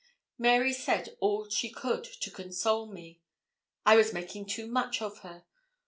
Mary said all she could to console me. I was making too much of her.